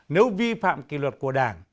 nếu vi phạm kỳ luật của đảng